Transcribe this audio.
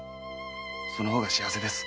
その方が幸せです。